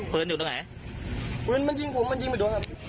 ไม่รู้ว่าเจ้ายังไงก็ไม่รู้นะ